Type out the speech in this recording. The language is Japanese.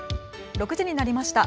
６時になりました。